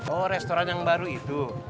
oh restoran yang baru itu